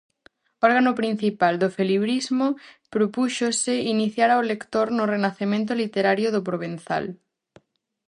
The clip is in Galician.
Órgano principal do felibrismo, propúxose iniciar ao lector no renacemento literario do provenzal.